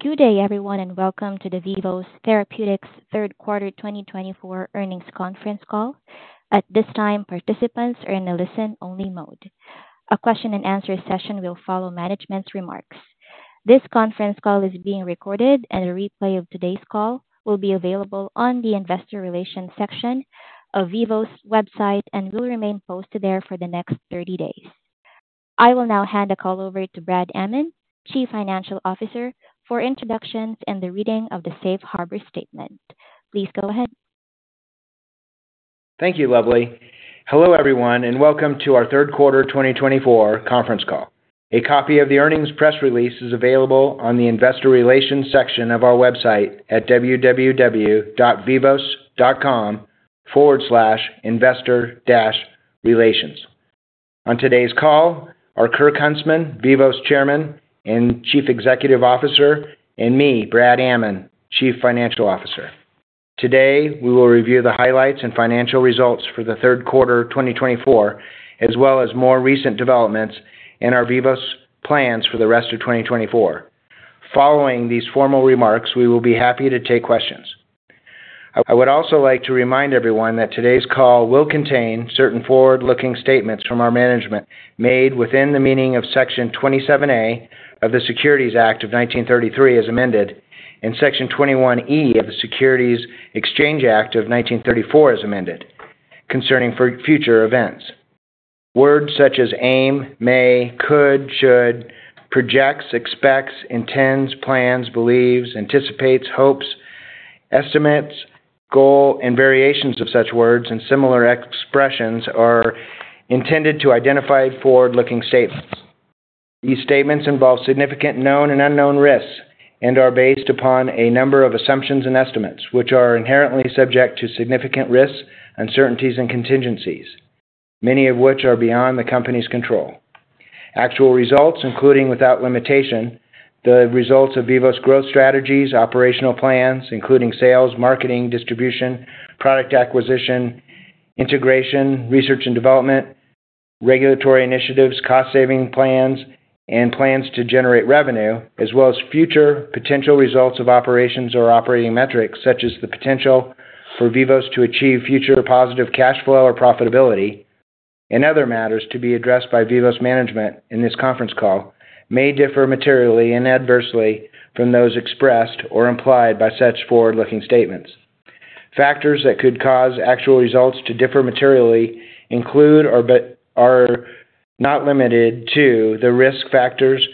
Good day, everyone, and welcome to the Vivos Therapeutics Q3 2024 earnings conference call. At this time, participants are in a listen-only mode. A question-and-answer session will follow management's remarks. This conference call is being recorded, and a replay of today's call will be available on the Investor Relations section of Vivos' website and will remain posted there for the next 30 days. I will now hand the call over to Brad Amman, Chief Financial Officer, for introductions and the reading of the Safe Harbor Statement. Please go ahead. Thank you, Lovely. Hello, everyone, and welcome to our Q3 2024 conference call. A copy of the earnings press release is available on the Investor Relations section of our website at www.vivos.com/investor-relations. On today's call are Kirk Huntsman, Vivos Chairman and Chief Executive Officer, and me, Brad Amman, Chief Financial Officer. Today, we will review the highlights and financial results for Q3 2024, as well as more recent developments in our Vivos plans for the rest of 2024. Following these formal remarks, we will be happy to take questions. I would also like to remind everyone that today's call will contain certain forward-looking statements from our management made within the meaning of Section 27A of the Securities Act of 1933 as amended, and Section 21E of the Securities Exchange Act of 1934 as amended, concerning future events. Words such as aim, may, could, should, projects, expects, intends, plans, believes, anticipates, hopes, estimates, goal, and variations of such words and similar expressions are intended to identify forward-looking statements. These statements involve significant known and unknown risks and are based upon a number of assumptions and estimates, which are inherently subject to significant risks, uncertainties, and contingencies, many of which are beyond the company's control. Actual results, including without limitation, the results of Vivos' growth strategies, operational plans, including sales, marketing, distribution, product acquisition, integration, research and development, regulatory initiatives, cost-saving plans, and plans to generate revenue, as well as future potential results of operations or operating metrics, such as the potential for Vivos to achieve future positive cash flow or profitability, and other matters to be addressed by Vivos management in this conference call, may differ materially and adversely from those expressed or implied by such forward-looking statements. Factors that could cause actual results to differ materially include or are not limited to the risk factors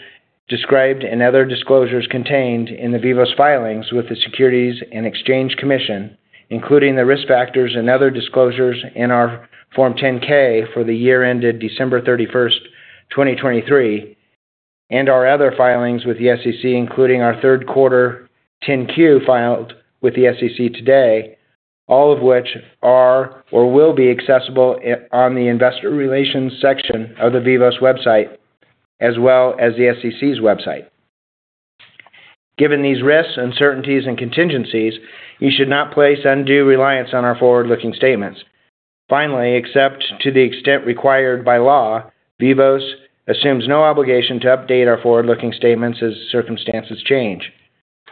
described in other disclosures contained in the Vivos filings with the Securities and Exchange Commission, including the risk factors and other disclosures in our Form 10-K for the year ended December 31, 2023, and our other filings with the SEC, including our Q3 10-Q filed with the SEC today, all of which are or will be accessible on the Investor Relations section of the Vivos website, as well as the SEC's website. Given these risks, uncertainties, and contingencies, you should not place undue reliance on our forward-looking statements. Finally, except to the extent required by law, Vivos assumes no obligation to update our forward-looking statements as circumstances change.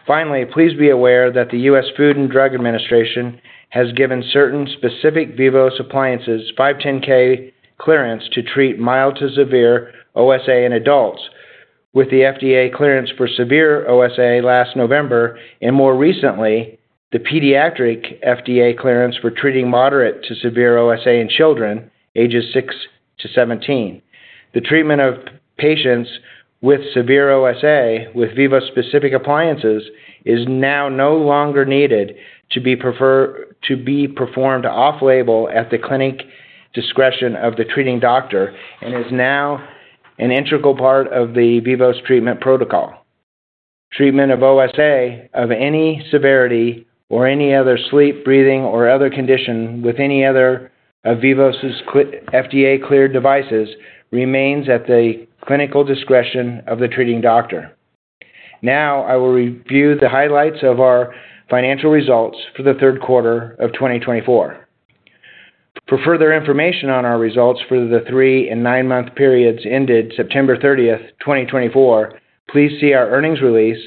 Finally, please be aware that the U.S. Food and Drug Administration has given certain specific Vivos appliances 510(k) clearance to treat mild to severe OSA in adults, with the FDA clearance for severe OSA last November, and more recently, the pediatric FDA clearance for treating moderate to severe OSA in children, ages six to 17. The treatment of patients with severe OSA with Vivos-specific appliances is now no longer needed to be performed off-label at the clinic discretion of the treating doctor and is now an integral part of the Vivos treatment protocol. Treatment of OSA of any severity or any other sleep, breathing, or other condition with any other of Vivos' FDA-cleared devices remains at the clinical discretion of the treating doctor. Now, I will review the highlights of our financial results for Q3 of 2024. For further information on our results for the three and nine-month periods ended September 30, 2024, please see our earnings release,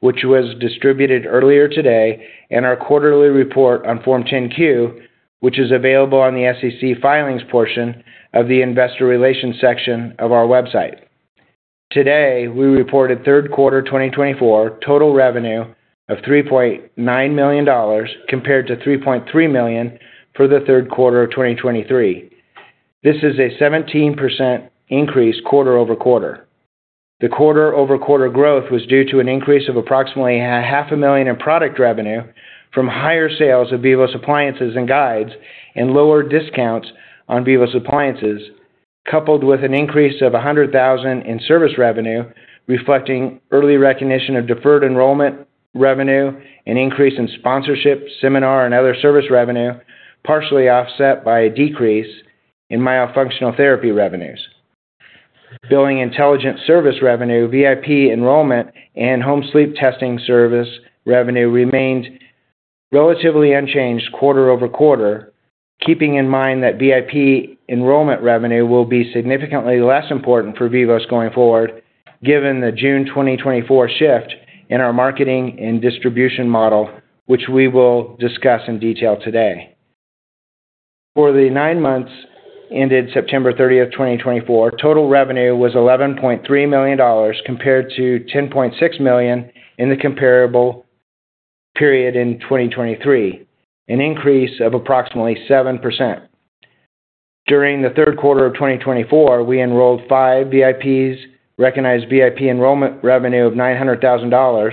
which was distributed earlier today, and our quarterly report on Form 10-Q, which is available on the SEC filings portion of the Investor Relations section of our website. Today, we reported Q3 2024 total revenue of $3.9 million compared to $3.3 million for Q3 of 2023. This is a 17% increase quarter over quarter. The quarter-over-quarter growth was due to an increase of approximately $500,000 in product revenue from higher sales of Vivos appliances and guides and lower discounts on Vivos appliances, coupled with an increase of $100,000 in service revenue, reflecting early recognition of deferred enrollment revenue, an increase in sponsorship, seminar, and other service revenue, partially offset by a decrease in myofunctional therapy revenues. Billing Intelligence Service revenue, VIP enrollment, and home sleep testing service revenue remained relatively unchanged quarter over quarter, keeping in mind that VIP enrollment revenue will be significantly less important for Vivos going forward, given the June 2024 shift in our marketing and distribution model, which we will discuss in detail today. For the nine months ended September 30, 2024, total revenue was $11.3 million compared to $10.6 million in the comparable period in 2023, an increase of approximately 7%. During Q3 of 2024, we enrolled five VIPs, recognized VIP enrollment revenue of $900,000,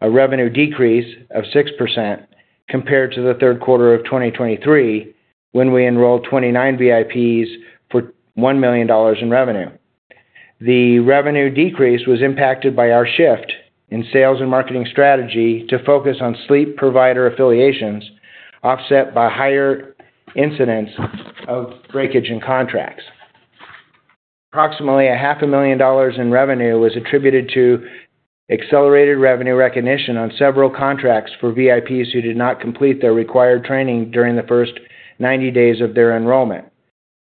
a revenue decrease of 6% compared to Q3 of 2023, when we enrolled 29 VIPs for $1 million in revenue. The revenue decrease was impacted by our shift in sales and marketing strategy to focus on sleep provider affiliations, offset by higher incidence of breakage in contracts. Approximately $500,000 in revenue was attributed to accelerated revenue recognition on several contracts for VIPs who did not complete their required training during the first 90 days of their enrollment.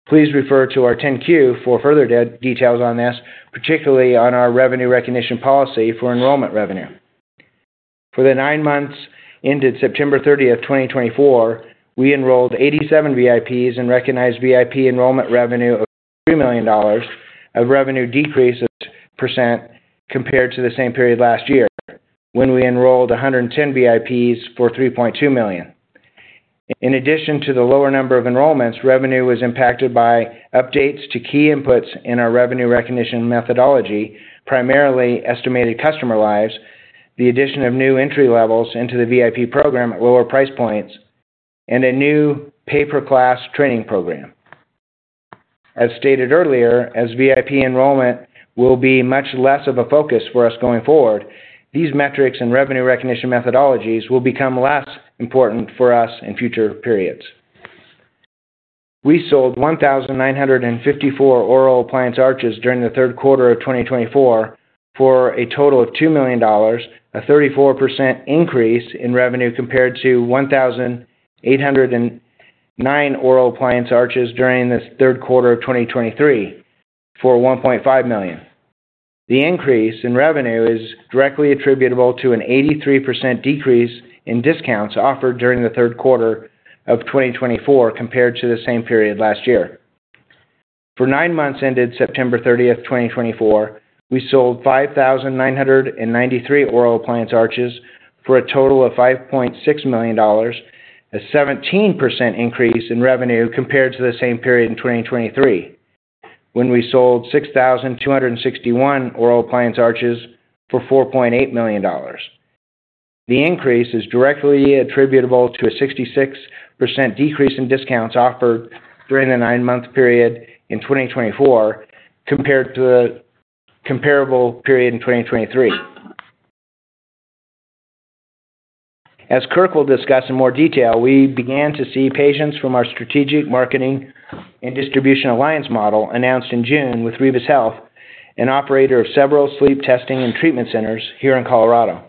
Please refer to our 10-Q for further details on this, particularly on our revenue recognition policy for enrollment revenue. For the nine months ended September 30, 2024, we enrolled 87 VIPs and recognized VIP enrollment revenue of $3 million, a revenue decrease of 6% compared to the same period last year, when we enrolled 110 VIPs for $3.2 million. In addition to the lower number of enrollments, revenue was impacted by updates to key inputs in our revenue recognition methodology, primarily estimated customer lives, the addition of new entry levels into the VIP program at lower price points, and a new pay-per-class training program. As stated earlier, as VIP enrollment will be much less of a focus for us going forward, these metrics and revenue recognition methodologies will become less important for us in future periods. We sold 1,954 oral appliance arches during Q3 of 2024 for a total of $2 million, a 34% increase in revenue compared to 1,809 oral appliance arches during Q3 of 2023 for $1.5 million. The increase in revenue is directly attributable to an 83% decrease in discounts offered during Q3 of 2024 compared to the same period last year. For nine months ended September 30, 2024, we sold 5,993 oral appliance arches for a total of $5.6 million, a 17% increase in revenue compared to the same period in 2023, when we sold 6,261 oral appliance arches for $4.8 million. The increase is directly attributable to a 66% decrease in discounts offered during the nine-month period in 2024 compared to the comparable period in 2023. As Kirk will discuss in more detail, we began to see patients from our Strategic Marketing and Distribution Alliance model announced in June with Vivos Health, an operator of several sleep testing and treatment centers here in Colorado.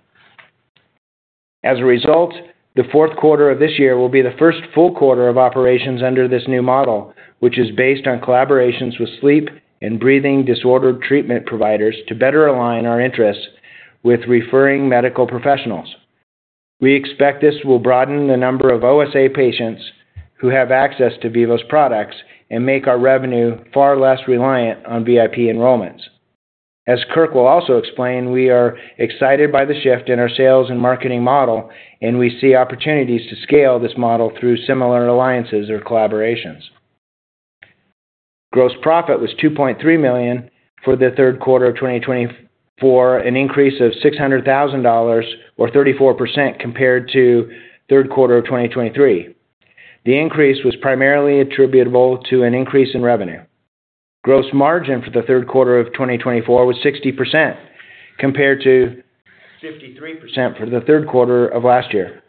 As a result, the Q4 of this year will be the first full quarter of operations under this new model, which is based on collaborations with sleep and breathing disorder treatment providers to better align our interests with referring medical professionals. We expect this will broaden the number of OSA patients who have access to Vivos products and make our revenue far less reliant on VIP enrollments. As Kirk will also explain, we are excited by the shift in our sales and marketing model, and we see opportunities to scale this model through similar alliances or collaborations. Gross profit was $2.3 million for Q3 of 2024, an increase of $600,000 or 34% compared to Q3 of 2023. The increase was primarily attributable to an increase in revenue. Gross margin for Q3 of 2024 was 60% compared to 53% for Q3 of last year.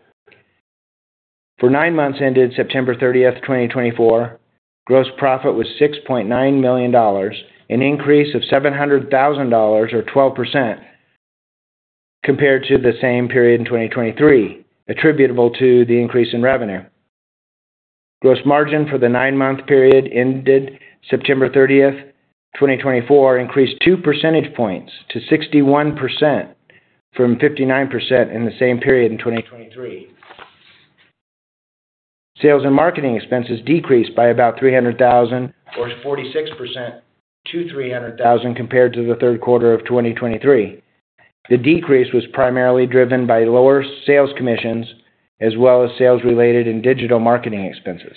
For nine months ended September 30, 2024, gross profit was $6.9 million, an increase of $700,000 or 12% compared to the same period in 2023, attributable to the increase in revenue. Gross margin for the nine-month period ended September 30, 2024, increased 2 percentage points to 61% from 59% in the same period in 2023. Sales and marketing expenses decreased by about $300,000 or 46% to $300,000 compared to Q3 of 2023. The decrease was primarily driven by lower sales commissions as well as sales-related and digital marketing expenses.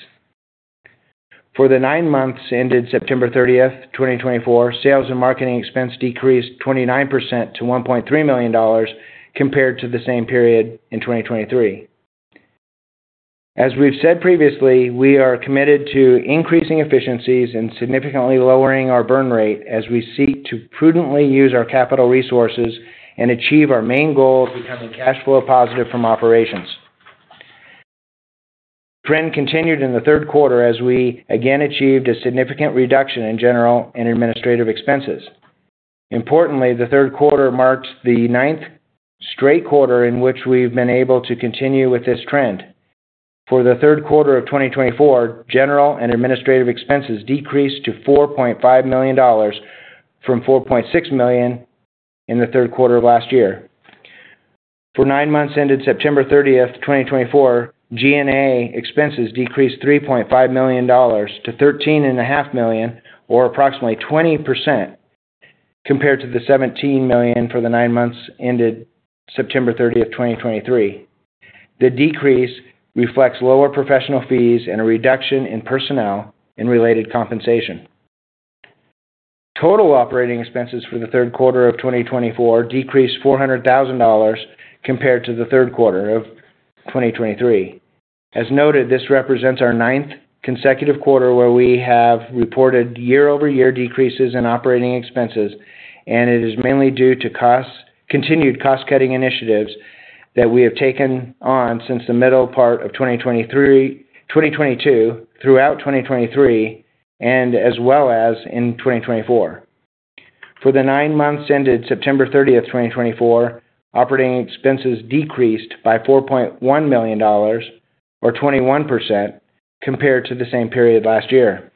For the nine months ended September 30, 2024, sales and marketing expenses decreased 29% to $1.3 million compared to the same period in 2023. As we've said previously, we are committed to increasing efficiencies and significantly lowering our burn rate as we seek to prudently use our capital resources and achieve our main goal of becoming cash flow positive from operations. The trend continued in Q4 as we again achieved a significant reduction in general and administrative expenses. Importantly, Q4 marked the ninth straight quarter in which we've been able to continue with this trend. For Q3 of 2024, general and administrative expenses decreased to $4.5 million from $4.6 million in the Q3 of last year. For nine months ended September 30, 2024, G&A expenses decreased $3.5 million to $13.5 million or approximately 20% compared to the $17 million for the nine months ended September 30, 2023. The decrease reflects lower professional fees and a reduction in personnel and related compensation. Total operating expenses for Q3 of 2024 decreased $400,000 compared to Q3 of 2023. As noted, this represents our ninth consecutive quarter where we have reported year-over-year decreases in operating expenses, and it is mainly due to continued cost-cutting initiatives that we have taken on since the middle part of 2022 throughout 2023 and as well as in 2024. For the nine months ended September 30, 2024, operating expenses decreased by $4.1 million or 21% compared to the same period last year.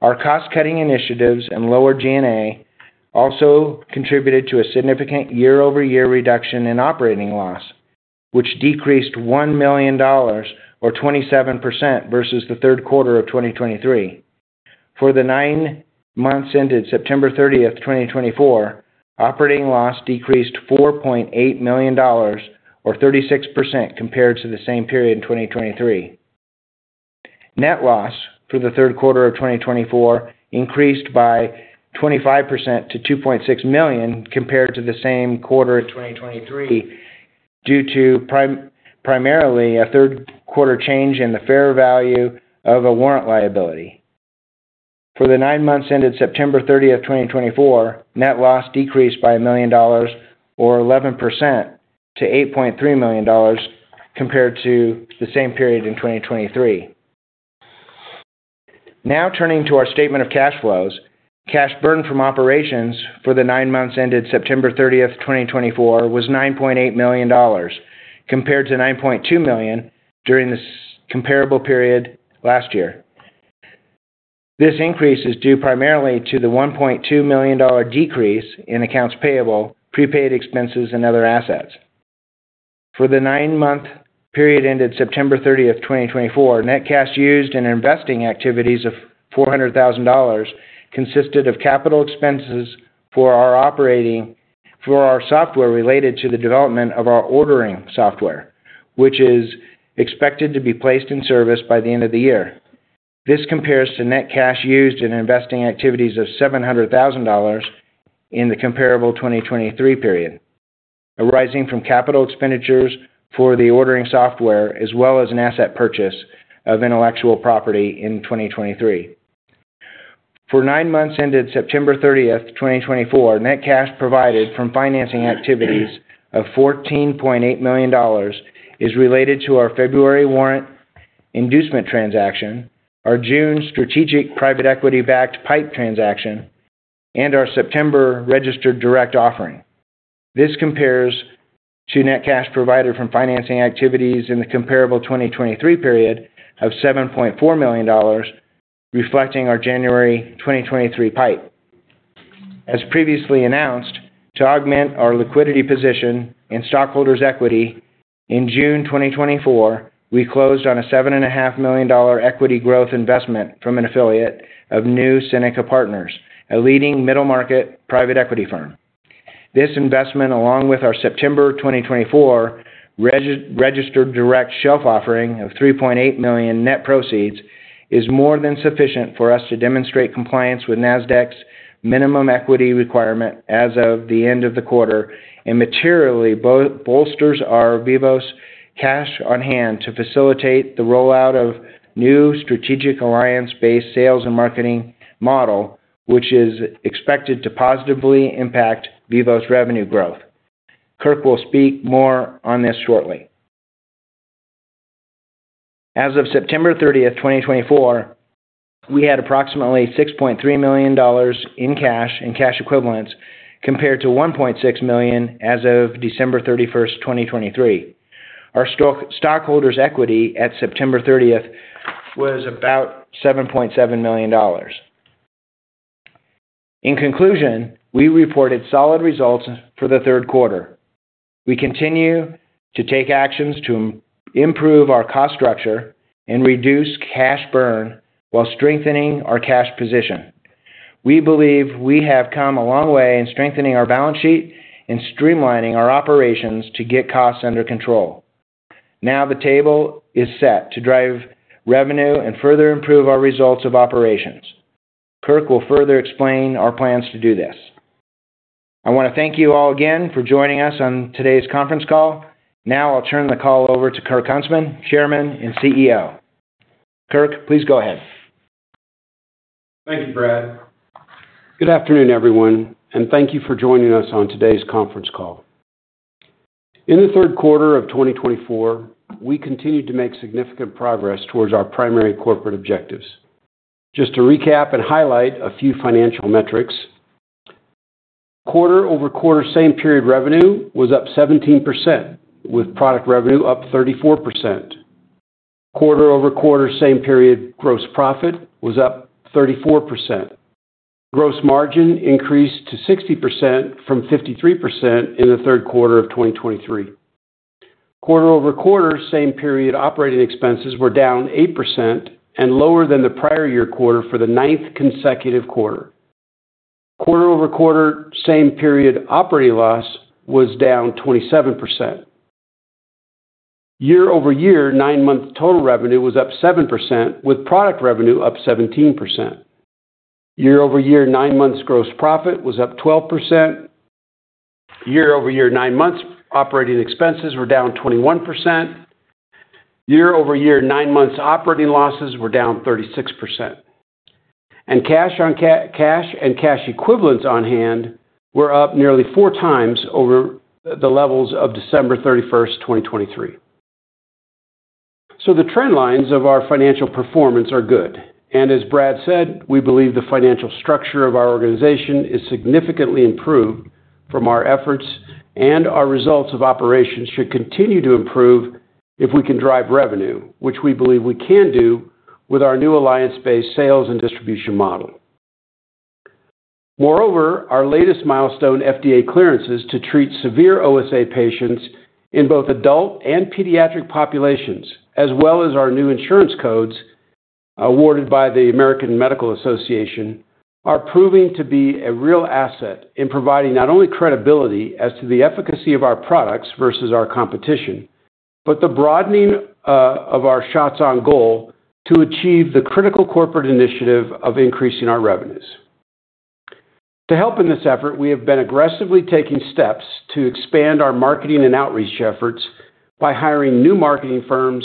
Our cost-cutting initiatives and lower G&A also contributed to a significant year-over-year reduction in operating loss, which decreased $1 million or 27% versus Q3 of 2023. For the nine months ended September 30, 2024, operating loss decreased $4.8 million or 36% compared to the same period in 2023. Net loss for Q3 of 2024 increased by 25% to $2.6 million compared to the same quarter in 2023 due to primarily a Q3 change in the fair value of a warrant liability. For the nine months ended September 30, 2024, net loss decreased by $1 million or 11% to $8.3 million compared to the same period in 2023. Now turning to our statement of cash flows, cash burn from operations for the nine months ended September 30, 2024, was $9.8 million compared to $9.2 million during the comparable period last year. This increase is due primarily to the $1.2 million decrease in accounts payable, prepaid expenses, and other assets. For the nine-month period ended September 30, 2024, net cash used in investing activities of $400,000 consisted of capital expenses for our software related to the development of our ordering software, which is expected to be placed in service by the end of the year. This compares to net cash used in investing activities of $700,000 in the comparable 2023 period, arising from capital expenditures for the ordering software as well as an asset purchase of intellectual property in 2023. For nine months ended September 30, 2024, net cash provided from financing activities of $14.8 million is related to our February warrant inducement transaction, our June strategic private equity-backed PIPE transaction, and our September registered direct offering. This compares to net cash provided from financing activities in the comparable 2023 period of $7.4 million, reflecting our January 2023 PIPE. As previously announced, to augment our liquidity position in stockholders' equity, in June 2024, we closed on a $7.5 million equity growth investment from an affiliate of New Seneca Partners, a leading middle-market private equity firm. This investment, along with our September 2024 registered direct shelf offering of $3.8 million net proceeds, is more than sufficient for us to demonstrate compliance with NASDAQ's minimum equity requirement as of the end of the quarter and materially bolsters our Vivos cash on hand to facilitate the rollout of new Strategic Alliance-based sales and marketing model, which is expected to positively impact Vivos revenue growth. Kirk will speak more on this shortly. As of September 30, 2024, we had approximately $6.3 million in cash and cash equivalents compared to $1.6 million as of December 31, 2023. Our stockholders' equity at September 30 was about $7.7 million. In conclusion, we reported solid results for Q4. We continue to take actions to improve our cost structure and reduce cash burn while strengthening our cash position. We believe we have come a long way in strengthening our balance sheet and streamlining our operations to get costs under control. Now the table is set to drive revenue and further improve our results of operations. Kirk will further explain our plans to do this. I want to thank you all again for joining us on today's conference call. Now I'll turn the call over to Kirk Huntsman, Chairman and CEO. Kirk, please go ahead. Thank you, Brad. Good afternoon, everyone, and thank you for joining us on today's conference call. In Q4 of 2024, we continued to make significant progress towards our primary corporate objectives. Just to recap and highlight a few financial metrics, Quarter-over-Quarter same period revenue was up 17%, with product revenue up 34%. Quarter-over-Quarter same period gross profit was up 34%. Gross margin increased to 60% from 53% in Q3 of 2023. Quarter-over-Quarter same period operating expenses were down 8% and lower than the prior year quarter for the ninth consecutive quarter. Quarter-over-Quarter same period operating loss was down 27%. Year-over-year nine-month total revenue was up 7%, with product revenue up 17%. Year-over-year nine-month gross profit was up 12%. Year-over-year nine-month operating expenses were down 21%. Year-over-year nine-month operating losses were down 36%. And cash and cash equivalents on hand were up nearly four times over the levels of December 31, 2023. So the trend lines of our financial performance are good. And as Brad said, we believe the financial structure of our organization is significantly improved from our efforts, and our results of operations should continue to improve if we can drive revenue, which we believe we can do with our new alliance-based sales and distribution model. Moreover, our latest milestone FDA clearances to treat severe OSA patients in both adult and pediatric populations, as well as our new insurance codes awarded by the American Medical Association, are proving to be a real asset in providing not only credibility as to the efficacy of our products versus our competition, but the broadening of our shots on goal to achieve the critical corporate initiative of increasing our revenues. To help in this effort, we have been aggressively taking steps to expand our marketing and outreach efforts by hiring new marketing firms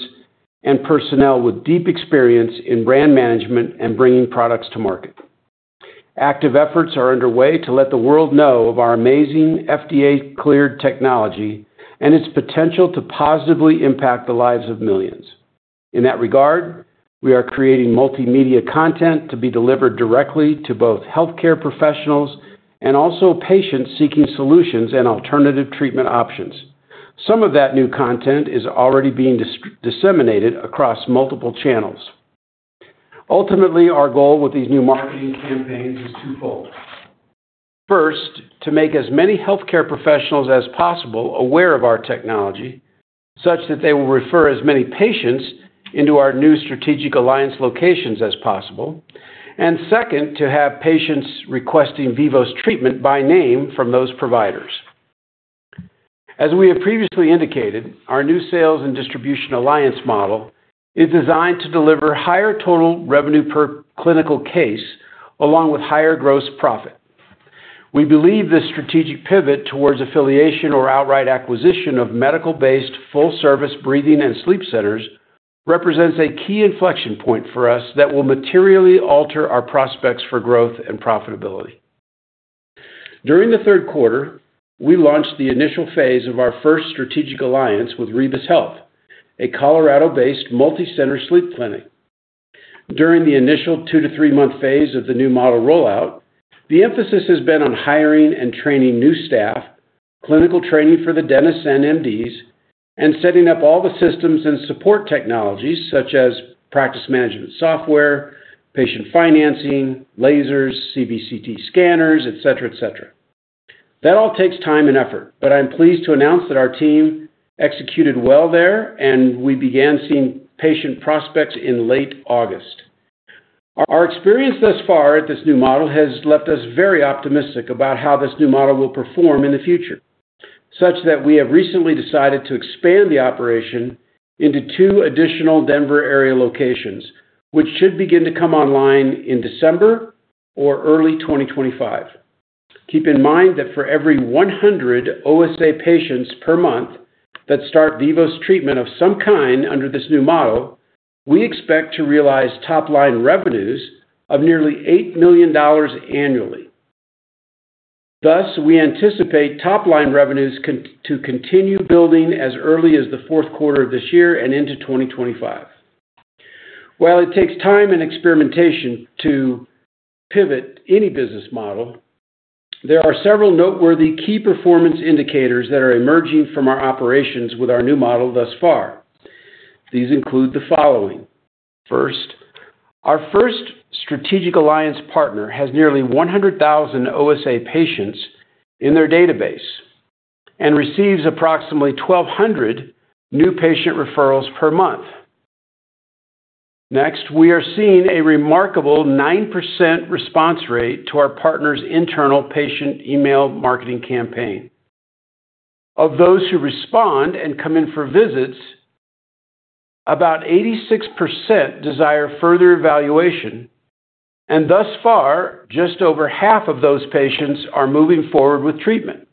and personnel with deep experience in brand management and bringing products to market. Active efforts are underway to let the world know of our amazing FDA-cleared technology and its potential to positively impact the lives of millions. In that regard, we are creating multimedia content to be delivered directly to both healthcare professionals and also patients seeking solutions and alternative treatment options. Some of that new content is already being disseminated across multiple channels. Ultimately, our goal with these new marketing campaigns is twofold. First, to make as many healthcare professionals as possible aware of our technology, such that they will refer as many patients into our new Strategic Alliance locations as possible. And second, to have patients requesting Vivos treatment by name from those providers. As we have previously indicated, our new sales and distribution alliance model is designed to deliver higher total revenue per clinical case along with higher gross profit. We believe this strategic pivot towards affiliation or outright acquisition of medical-based full-service breathing and sleep centers represents a key inflection point for us that will materially alter our prospects for growth and profitability. During the Q3, we launched the initial phase of our first strategic alliance with Vivos Health, a Colorado-based multicenter sleep clinic. During the initial two to three-month phase of the new model rollout, the emphasis has been on hiring and training new staff, clinical training for the dentists and MDs, and setting up all the systems and support technologies such as practice management software, patient financing, lasers, CBCT scanners, etc., etc. That all takes time and effort, but I'm pleased to announce that our team executed well there, and we began seeing patient prospects in late August. Our experience thus far at this new model has left us very optimistic about how this new model will perform in the future, such that we have recently decided to expand the operation into two additional Denver area locations, which should begin to come online in December or early 2025. Keep in mind that for every 100 OSA patients per month that start Vivos treatment of some kind under this new model, we expect to realize top-line revenues of nearly $8 million annually. Thus, we anticipate top-line revenues to continue building as early as the Q4 of this year and into 2025. While it takes time and experimentation to pivot any business model, there are several noteworthy key performance indicators that are emerging from our operations with our new model thus far. These include the following. First, our first strategic alliance partner has nearly 100,000 OSA patients in their database and receives approximately 1,200 new patient referrals per month. Next, we are seeing a remarkable 9% response rate to our partner's internal patient email marketing campaign. Of those who respond and come in for visits, about 86% desire further evaluation, and thus far, just over half of those patients are moving forward with treatment.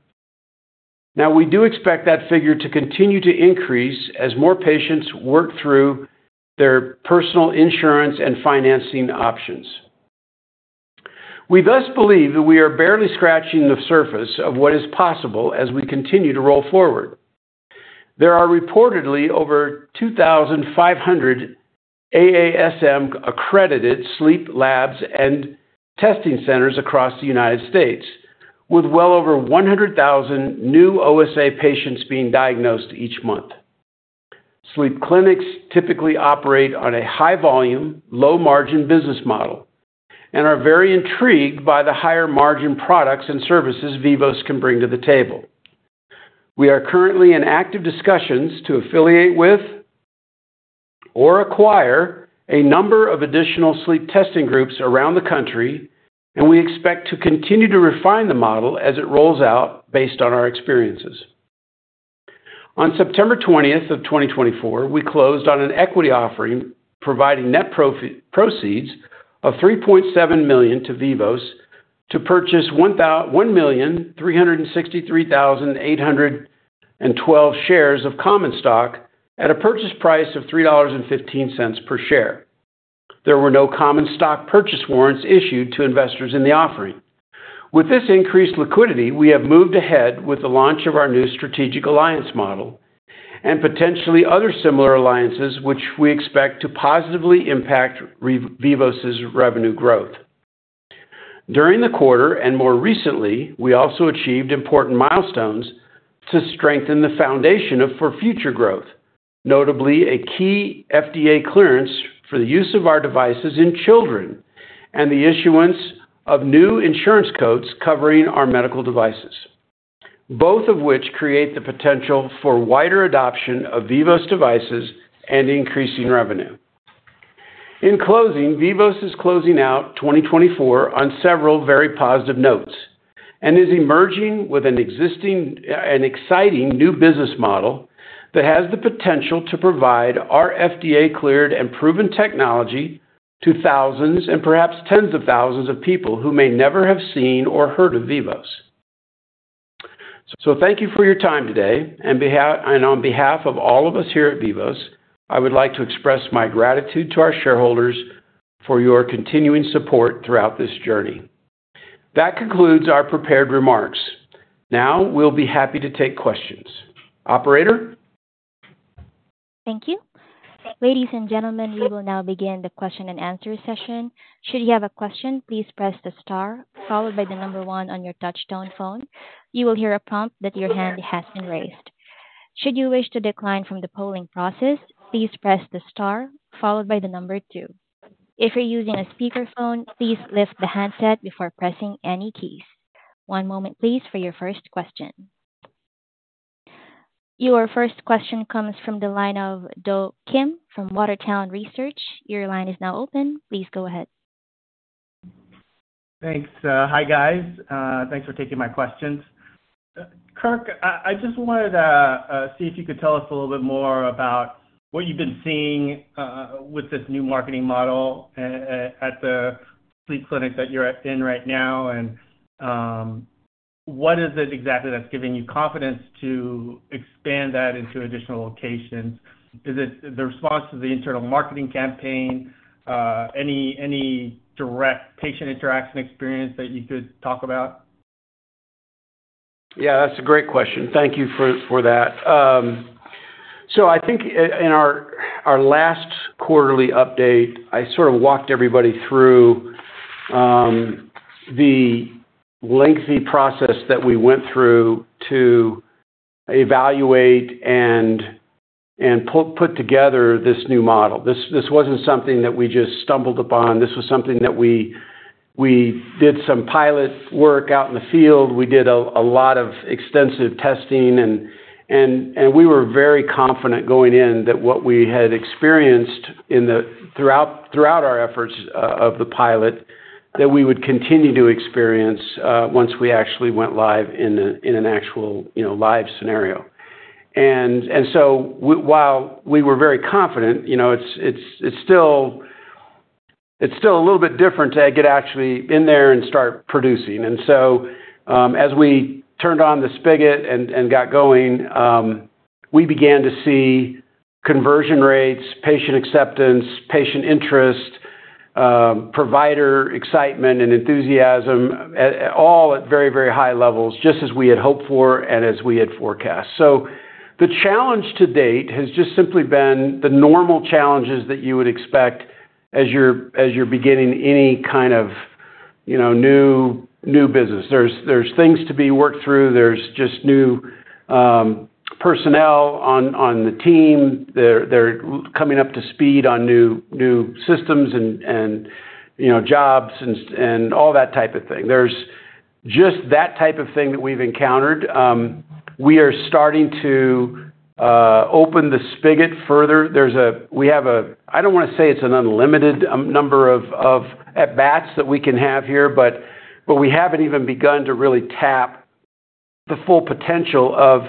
Now, we do expect that figure to continue to increase as more patients work through their personal insurance and financing options. We thus believe that we are barely scratching the surface of what is possible as we continue to roll forward. There are reportedly over 2,500 AASM-accredited sleep labs and testing centers across the United States, with well over 100,000 new OSA patients being diagnosed each month. Sleep clinics typically operate on a high-volume, low-margin business model and are very intrigued by the higher-margin products and services Vivos can bring to the table. We are currently in active discussions to affiliate with or acquire a number of additional sleep testing groups around the country, and we expect to continue to refine the model as it rolls out based on our experiences. On September 20, 2024, we closed on an equity offering providing net proceeds of $3.7 million to Vivos to purchase 1,363,812 shares of Common Stock at a purchase price of $3.15 per share. There were no Common Stock purchase warrants issued to investors in the offering. With this increased liquidity, we have moved ahead with the launch of our new Strategic Alliance model and potentially other similar alliances, which we expect to positively impact Vivos's revenue growth. During the quarter and more recently, we also achieved important milestones to strengthen the foundation for future growth, notably a key FDA clearance for the use of our devices in children and the issuance of new insurance codes covering our medical devices, both of which create the potential for wider adoption of Vivos devices and increasing revenue. In closing, Vivos is closing out 2024 on several very positive notes and is emerging with an existing and exciting new business model that has the potential to provide our FDA-cleared and proven technology to thousands and perhaps tens of thousands of people who may never have seen or heard of Vivos. So thank you for your time today. On behalf of all of us here at Vivos, I would like to express my gratitude to our shareholders for your continuing support throughout this journey. That concludes our prepared remarks. Now we'll be happy to take questions. Operator? Thank you. Ladies and gentlemen, we will now begin the question and answer session. Should you have a question, please press the star, followed by the number one on your touch-tone phone. You will hear a prompt that your hand has been raised. Should you wish to decline from the polling process, please press the star, followed by the number two. If you're using a speakerphone, please lift the handset before pressing any keys. One moment, please, for your first question. Your first question comes from the line of Do Kim from Water Tower Research. Your line is now open. Please go ahead. Thanks. Hi, guys. Thanks for taking my questions. Kirk, I just wanted to see if you could tell us a little bit more about what you've been seeing with this new marketing model at the sleep clinic that you're in right now. And what is it exactly that's giving you confidence to expand that into additional locations? Is it the response to the internal marketing campaign? Any direct patient interaction experience that you could talk about? Yeah, that's a great question. Thank you for that. So I think in our last quarterly update, I sort of walked everybody through the lengthy process that we went through to evaluate and put together this new model. This wasn't something that we just stumbled upon. This was something that we did some pilot work out in the field. We did a lot of extensive testing, and we were very confident going in that what we had experienced throughout our efforts of the pilot, that we would continue to experience once we actually went live in an actual live scenario, and so while we were very confident, it's still a little bit different to get actually in there and start producing. And so as we turned on the spigot and got going, we began to see conversion rates, patient acceptance, patient interest, provider excitement, and enthusiasm, all at very, very high levels, just as we had hoped for and as we had forecast. So the challenge to date has just simply been the normal challenges that you would expect as you're beginning any kind of new business. There's things to be worked through. There's just new personnel on the team. They're coming up to speed on new systems and jobs and all that type of thing. There's just that type of thing that we've encountered. We are starting to open the spigot further. We have a—I don't want to say it's an unlimited number of beds that we can have here, but we haven't even begun to really tap the full potential of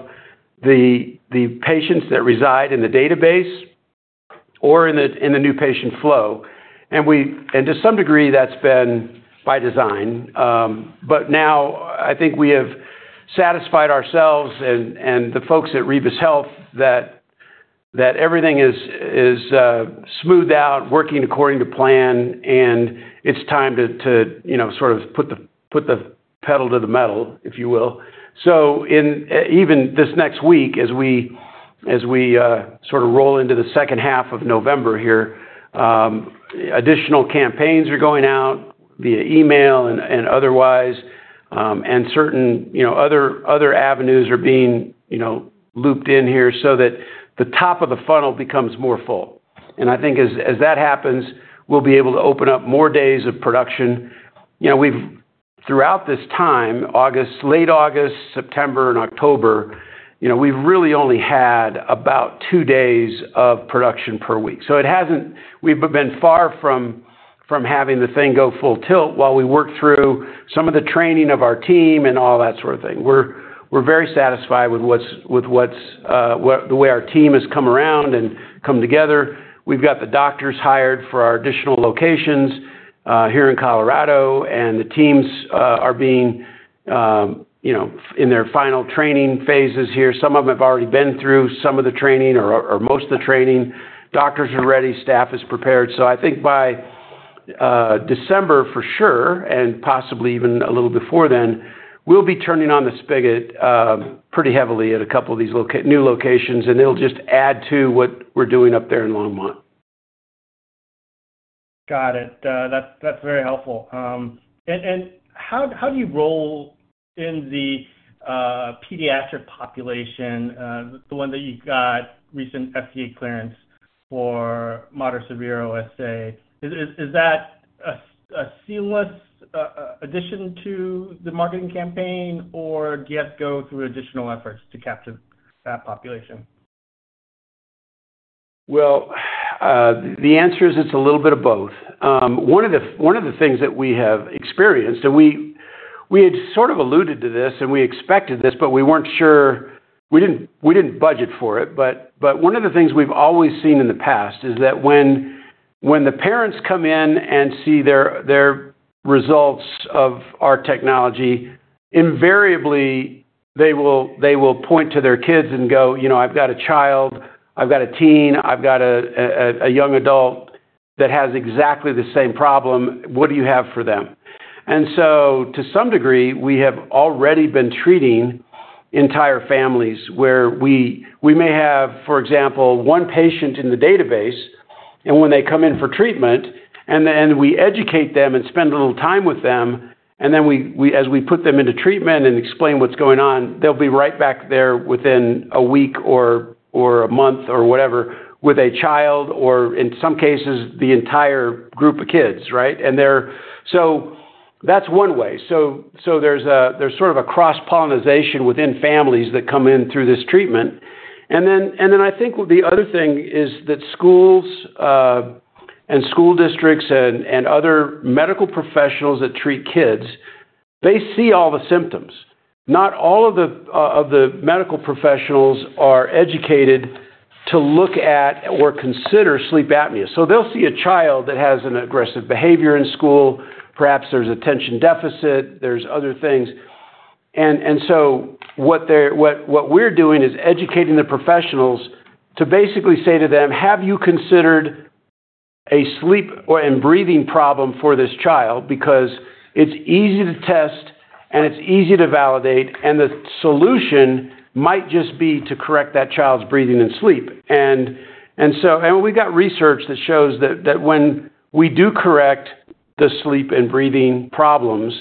the patients that reside in the database or in the new patient flow. And to some degree, that's been by design. But now I think we have satisfied ourselves and the folks at Vivos Health that everything is smoothed out, working according to plan, and it's time to sort of put the pedal to the metal, if you will. So even this next week, as we sort of roll into the second half of November here, additional campaigns are going out via email and otherwise, and certain other avenues are being looped in here so that the top of the funnel becomes more full. And I think as that happens, we'll be able to open up more days of production. Throughout this time, late August, September, and October, we've really only had about two days of production per week. So we've been far from having the thing go full tilt while we work through some of the training of our team and all that sort of thing. We're very satisfied with the way our team has come around and come together. We've got the doctors hired for our additional locations here in Colorado, and the teams are being in their final training phases here. Some of them have already been through some of the training or most of the training. Doctors are ready. Staff is prepared. So I think by December, for sure, and possibly even a little before then, we'll be turning on the spigot pretty heavily at a couple of these new locations, and it'll just add to what we're doing up there in Longmont. Got it. That's very helpful. And how do you roll in the pediatric population, the one that you got recent FDA clearance for moderate severe OSA? Is that a seamless addition to the marketing campaign, or do you have to go through additional efforts to capture that population? The answer is it's a little bit of both. One of the things that we have experienced, and we had sort of alluded to this and we expected this, but we weren't sure. We didn't budget for it. One of the things we've always seen in the past is that when the parents come in and see their results of our technology, invariably, they will point to their kids and go, "I've got a child. I've got a teen. I've got a young adult that has exactly the same problem. “What do you have for them?” And so to some degree, we have already been treating entire families where we may have, for example, one patient in the database, and when they come in for treatment, and then we educate them and spend a little time with them, and then as we put them into treatment and explain what's going on, they'll be right back there within a week or a month or whatever with a child or, in some cases, the entire group of kids, right? And so that's one way. So there's sort of a cross-pollination within families that come in through this treatment. And then I think the other thing is that schools and school districts and other medical professionals that treat kids, they see all the symptoms. Not all of the medical professionals are educated to look at or consider sleep apnea. So they'll see a child that has an aggressive behavior in school. Perhaps there's attention deficit. There's other things. And so what we're doing is educating the professionals to basically say to them, "Have you considered a sleep and breathing problem for this child?" Because it's easy to test, and it's easy to validate, and the solution might just be to correct that child's breathing and sleep. And we've got research that shows that when we do correct the sleep and breathing problems,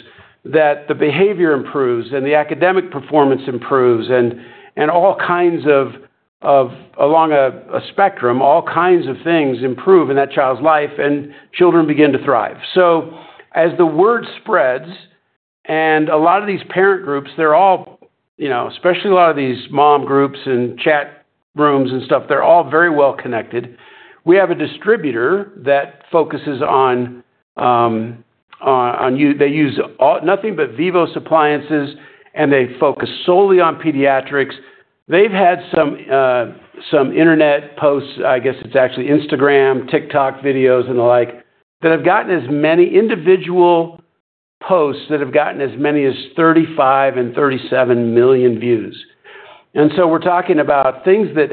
that the behavior improves and the academic performance improves and all kinds of, along a spectrum, all kinds of things improve in that child's life, and children begin to thrive. So as the word spreads, and a lot of these parent groups, they're all, especially a lot of these mom groups and chat rooms and stuff, they're all very well connected. We have a distributor that focuses on. They use nothing but Vivos appliances, and they focus solely on pediatrics. They've had some internet posts. I guess it's actually Instagram, TikTok videos and the like. Individual posts have gotten as many as 35 and 37 million views. So we're talking about things that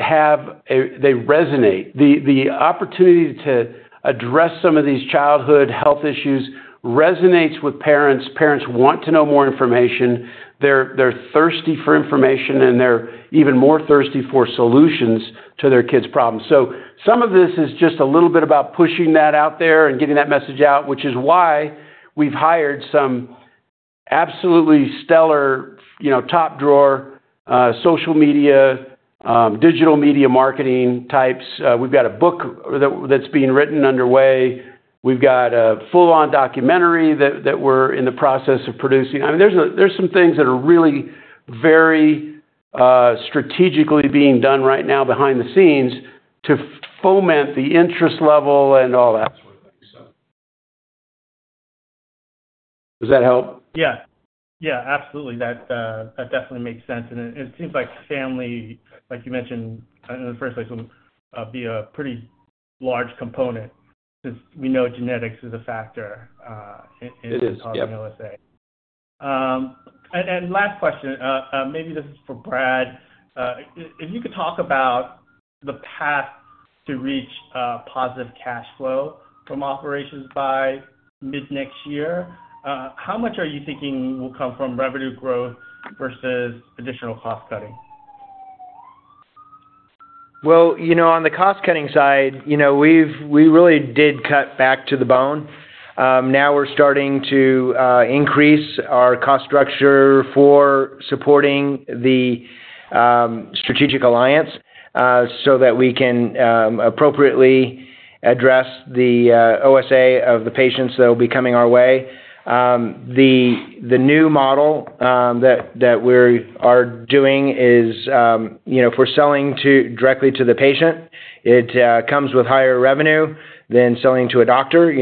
resonate. The opportunity to address some of these childhood health issues resonates with parents. Parents want to know more information. They're thirsty for information, and they're even more thirsty for solutions to their kids' problems. So some of this is just a little bit about pushing that out there and getting that message out, which is why we've hired some absolutely stellar, top-drawer social media, digital media marketing types. We've got a book that's being written underway. We've got a full-on documentary that we're in the process of producing. I mean, there's some things that are really very strategically being done right now behind the scenes to foment the interest level and all that sort of thing. Does that help? Yeah. Yeah, absolutely. That definitely makes sense. And it seems like family, like you mentioned in the first place, will be a pretty large component since we know genetics is a factor in OSA. And last question, maybe this is for Brad. If you could talk about the path to reach positive cash flow from operations by mid-next year, how much are you thinking will come from revenue growth versus additional cost cutting? On the cost-cutting side, we really did cut back to the bone. Now we're starting to increase our cost structure for supporting the strategic alliance so that we can appropriately address the OSA of the patients that will be coming our way. The new model that we are doing is for selling directly to the patient. It comes with higher revenue than selling to a doctor.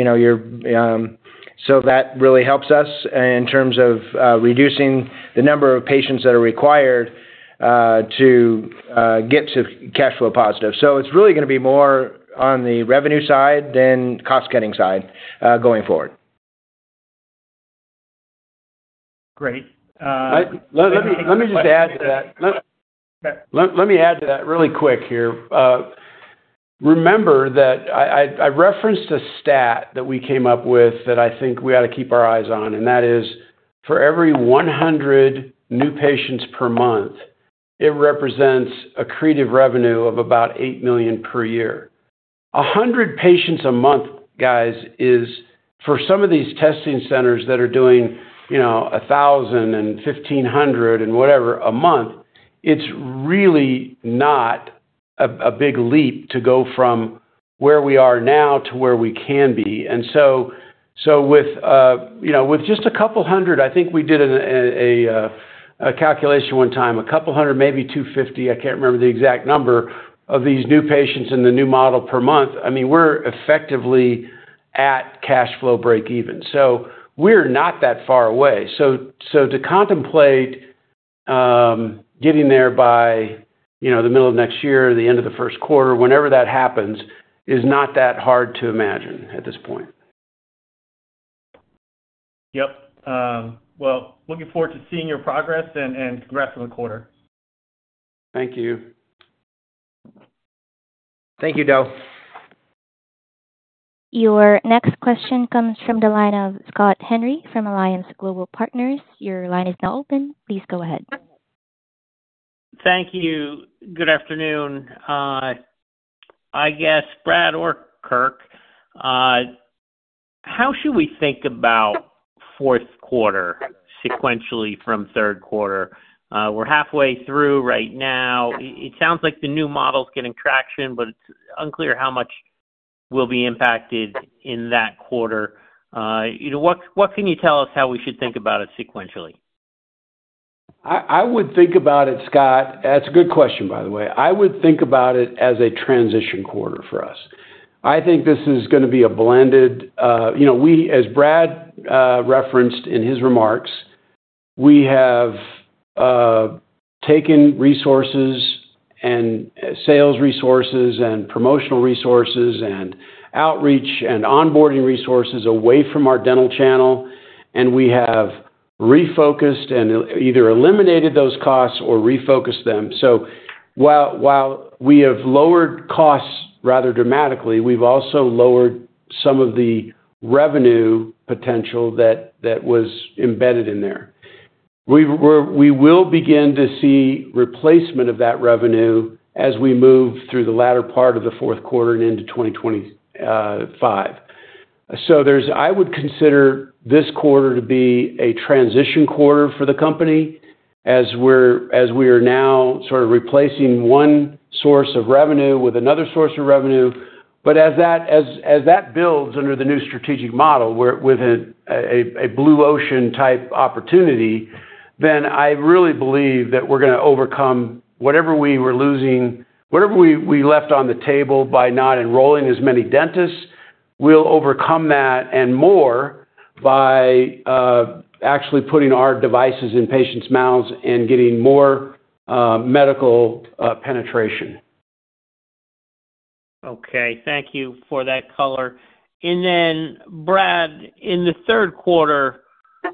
That really helps us in terms of reducing the number of patients that are required to get to cash flow positive. It's really going to be more on the revenue side than cost-cutting side going forward. Great. Let me just add to that. Let me add to that really quick here. Remember that I referenced a stat that we came up with that I think we ought to keep our eyes on, and that is for every 100 new patients per month, it represents a recurring revenue of about $8 million per year. 100 patients a month, guys, is for some of these testing centers that are doing 1,000 and 1,500 and whatever a month, it's really not a big leap to go from where we are now to where we can be. And so with just a couple hundred, I think we did a calculation one time, a couple hundred, maybe 250. I can't remember the exact number of these new patients in the new model per month. I mean, we're effectively at cash flow break-even. So we're not that far away. So to contemplate getting there by the middle of next year or the end of the first quarter, whenever that happens, is not that hard to imagine at this point. Yep. Well, looking forward to seeing your progress and congrats on the quarter. Thank you. Thank you, Do. Your next question comes from the line of Scott Henry from Alliance Global Partners. Your line is now open. Please go ahead. Thank you. Good afternoon. I guess Brad or Kirk, how should we think about fourth quarter sequentially from third quarter? We're halfway through right now. It sounds like the new model's getting traction, but it's unclear how much we'll be impacted in that quarter. What can you tell us how we should think about it sequentially? I would think about it, Scott, that's a good question, by the way. I would think about it as a transition quarter for us. I think this is going to be a blended. As Brad referenced in his remarks, we have taken resources and sales resources and promotional resources and outreach and onboarding resources away from our dental channel, and we have refocused and either eliminated those costs or refocused them. So while we have lowered costs rather dramatically, we've also lowered some of the revenue potential that was embedded in there. We will begin to see replacement of that revenue as we move through the latter part of the fourth quarter and into 2025. So I would consider this quarter to be a transition quarter for the company as we are now sort of replacing one source of revenue with another source of revenue. But as that builds under the new strategic model with a blue ocean type opportunity, then I really believe that we're going to overcome whatever we were losing, whatever we left on the table by not enrolling as many dentists. We'll overcome that and more by actually putting our devices in patients' mouths and getting more medical penetration. Okay. Thank you for that color. And then, Brad, in the third quarter,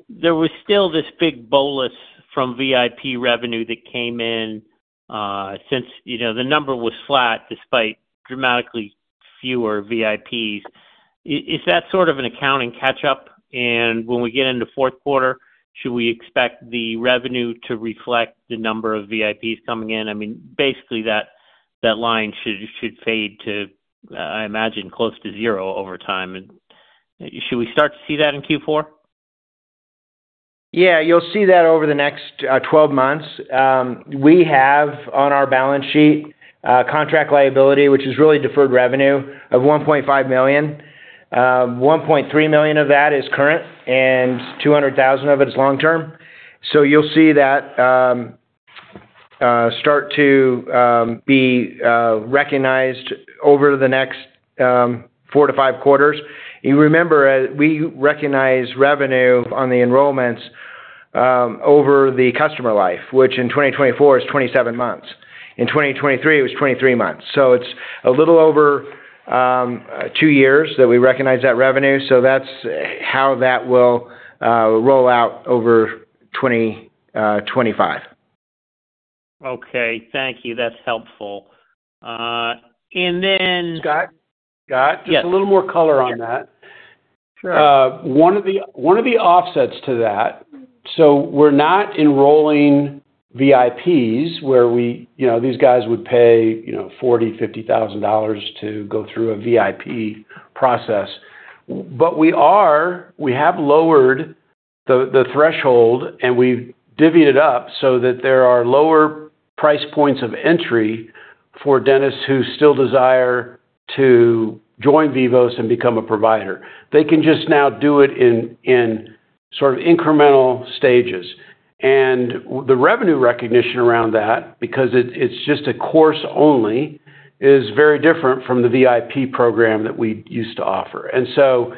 there was still this big bolus from VIP revenue that came in since the number was flat despite dramatically fewer VIPs. Is that sort of an accounting catch-up? And when we get into fourth quarter, should we expect the revenue to reflect the number of VIPs coming in? I mean, basically, that line should fade to, I imagine, close to zero over time. Should we start to see that in Q4? Yeah. You'll see that over the next 12 months. We have on our balance sheet contract liability, which is really deferred revenue, of $1.5 million. $1.3 million of that is current, and $200,000 of it is long-term. So you'll see that start to be recognized over the next four to five quarters. You remember we recognize revenue on the enrollments over the customer life, which in 2024 is 27 months. In 2023, it was 23 months. So it's a little over two years that we recognize that revenue. So that's how that will roll out over 2025. Okay. Thank you. That's helpful. And then. Scott. Scott? Yes. Just a little more color on that. One of the offsets to that, so we're not enrolling VIPs where these guys would pay $40,000, $50,000 to go through a VIP process, but we have lowered the threshold, and we've divvied it up so that there are lower price points of entry for dentists who still desire to join Vivos and become a provider. They can just now do it in sort of incremental stages, and the revenue recognition around that, because it's just a course only, is very different from the VIP program that we used to offer. And so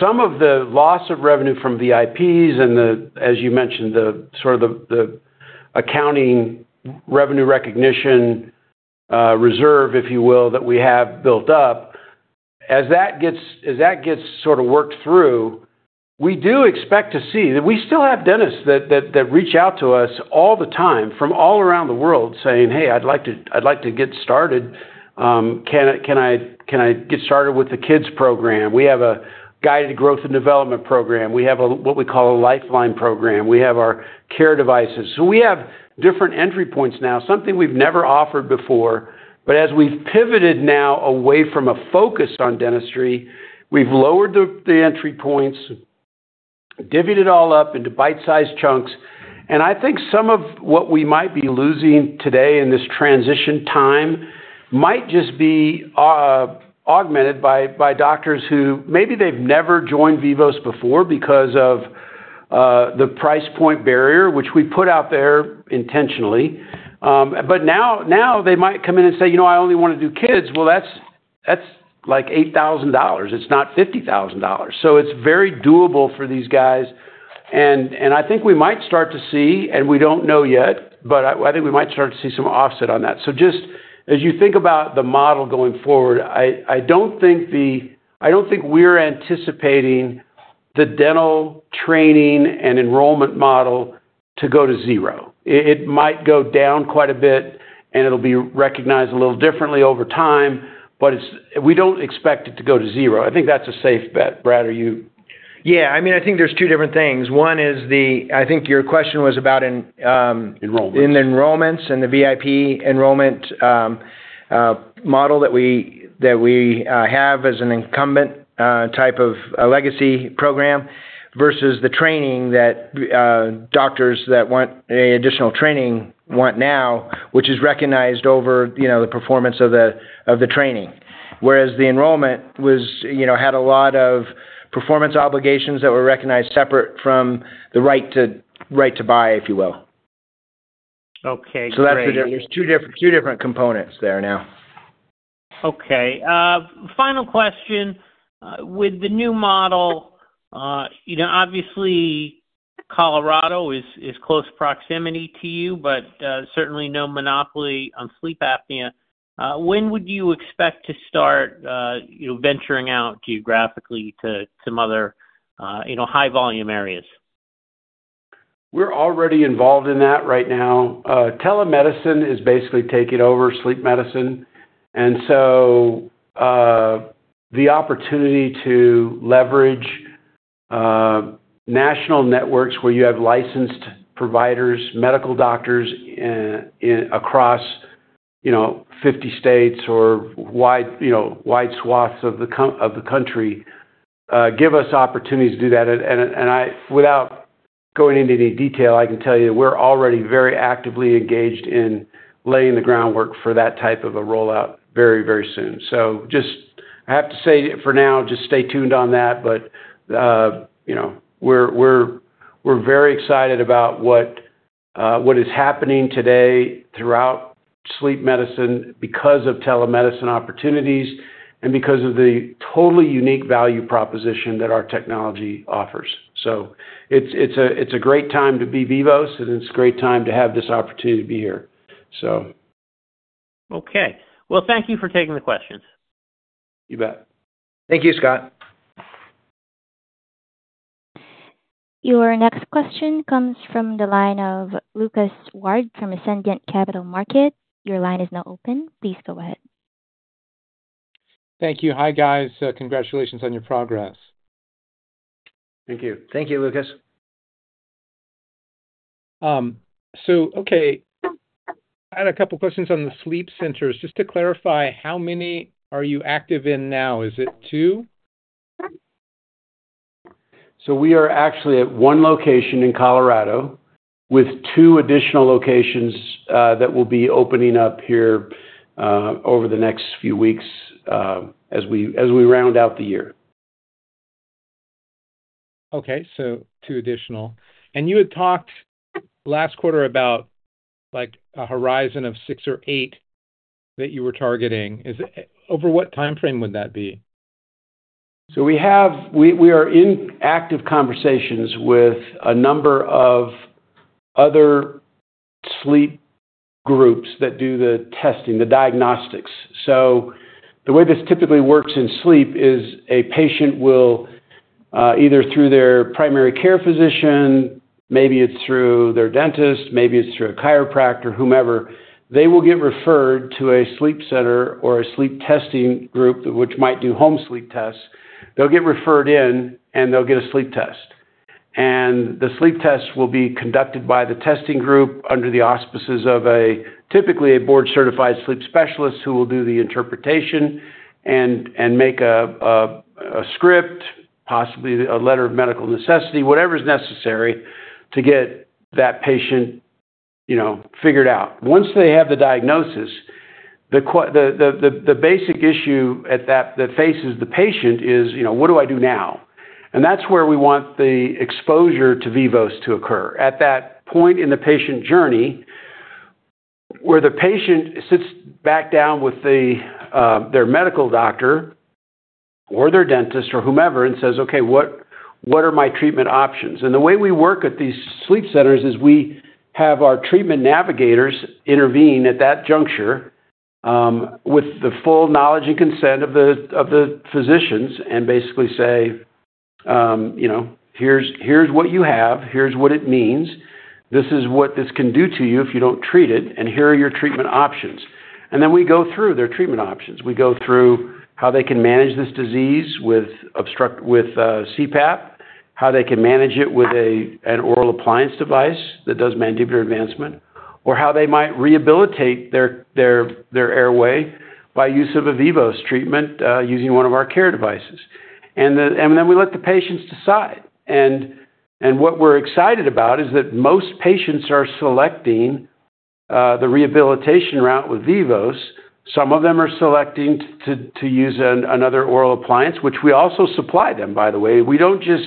some of the loss of revenue from VIPs and, as you mentioned, sort of the accounting revenue recognition reserve, if you will, that we have built up, as that gets sort of worked through. We do expect to see that we still have dentists that reach out to us all the time from all around the world saying, "Hey, I'd like to get started. Can I get started with the kids' program?" We have a Guided Growth and Development program. We have what we call a Lifeline program. We have our CARE devices, so we have different entry points now, something we've never offered before, but as we've pivoted now away from a focus on dentistry, we've lowered the entry points, divvied it all up into bite-sized chunks. And I think some of what we might be losing today in this transition time might just be augmented by doctors who maybe they've never joined Vivos before because of the price point barrier, which we put out there intentionally. But now they might come in and say, "I only want to do kids." Well, that's like $8,000. It's not $50,000. So it's very doable for these guys. And I think we might start to see, and we don't know yet, but I think we might start to see some offset on that. So just as you think about the model going forward, I don't think we're anticipating the dental training and enrollment model to go to zero. It might go down quite a bit, and it'll be recognized a little differently over time, but we don't expect it to go to zero. I think that's a safe bet. Brad, are you? Yeah. I mean, I think there's two different things. One is the, I think your question was about. Enrollments. In the enrollments and the VIP enrollment model that we have as an incumbent type of legacy program versus the training that doctors that want additional training want now, which is recognized over the performance of the training. Whereas the enrollment had a lot of performance obligations that were recognized separate from the right to buy, if you will. Okay, so that's the difference. There's two different components there now. Okay. Final question. With the new model, obviously, Colorado is close proximity to you, but certainly no monopoly on sleep apnea. When would you expect to start venturing out geographically to some other high-volume areas? We're already involved in that right now. Telemedicine is basically taking over sleep medicine, and so the opportunity to leverage national networks where you have licensed providers, medical doctors across 50 states or wide swaths of the country give us opportunities to do that, and without going into any detail, I can tell you we're already very actively engaged in laying the groundwork for that type of a rollout very, very soon, so I have to say for now, just stay tuned on that, but we're very excited about what is happening today throughout sleep medicine because of telemedicine opportunities and because of the totally unique value proposition that our technology offers, so it's a great time to be Vivos, and it's a great time to have this opportunity to be here, so. Okay, well, thank you for taking the questions. You bet. Thank you, Scott. Your next question comes from the line of Lucas Ward from Ascendiant Capital Markets. Your line is now open. Please go ahead. Thank you. Hi, guys. Congratulations on your progress. Thank you. Thank you, Lucas. So, okay. I had a couple of questions on the sleep centers. Just to clarify, how many are you active in now? Is it two? We are actually at one location in Colorado with two additional locations that will be opening up here over the next few weeks as we round out the year. Okay. So two additional. And you had talked last quarter about a horizon of six or eight that you were targeting. Over what time frame would that be? So we are in active conversations with a number of other sleep groups that do the testing, the diagnostics. So the way this typically works in sleep is a patient will either through their primary care physician, maybe it's through their dentist, maybe it's through a chiropractor, whomever, they will get referred to a sleep center or a sleep testing group, which might do home sleep tests. They'll get referred in, and they'll get a sleep test. And the sleep test will be conducted by the testing group under the auspices of typically a board-certified sleep specialist who will do the interpretation and make a script, possibly a letter of medical necessity, whatever is necessary to get that patient figured out. Once they have the diagnosis, the basic issue that faces the patient is, "What do I do now?" And that's where we want the exposure to Vivos to occur. At that point in the patient journey where the patient sits back down with their medical doctor or their dentist or whomever and says, "Okay, what are my treatment options?" And the way we work at these sleep centers is we have our treatment navigators intervene at that juncture with the full knowledge and consent of the physicians and basically say, "Here's what you have. Here's what it means. This is what this can do to you if you don't treat it. And here are your treatment options." And then we go through their treatment options. We go through how they can manage this disease with CPAP, how they can manage it with an oral appliance device that does mandibular advancement, or how they might rehabilitate their airway by use of a Vivos treatment using one of our care devices. And then we let the patients decide. And what we're excited about is that most patients are selecting the rehabilitation route with Vivos. Some of them are selecting to use another oral appliance, which we also supply them, by the way. We don't just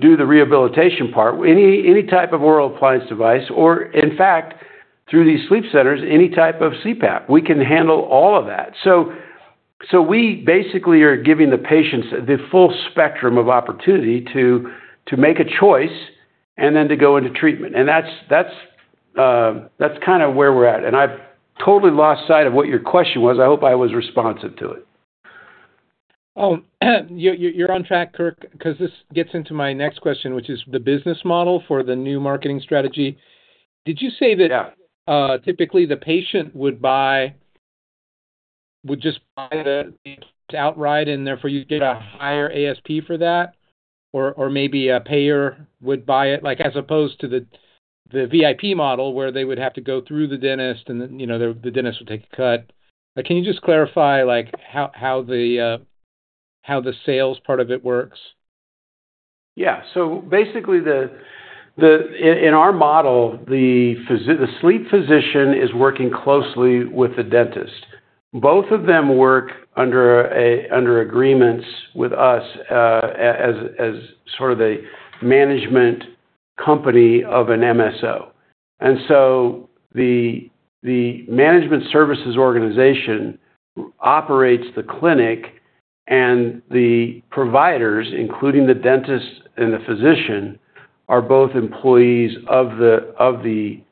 do the rehabilitation part. Any type of oral appliance device or, in fact, through these sleep centers, any type of CPAP. We can handle all of that. So we basically are giving the patients the full spectrum of opportunity to make a choice and then to go into treatment. And that's kind of where we're at. And I've totally lost sight of what your question was. I hope I was responsive to it. You're on track, Kirk, because this gets into my next question, which is the business model for the new marketing strategy. Did you say that typically the patient would just buy the outright and therefore you get a higher ASP for that? Or maybe a payer would buy it as opposed to the VIP model where they would have to go through the dentist and the dentist would take a cut. Can you just clarify how the sales part of it works? Yeah. So basically, in our model, the sleep physician is working closely with the dentist. Both of them work under agreements with us as sort of the management company of an MSO. And so the management services organization operates the clinic, and the providers, including the dentist and the physician, are both employees of the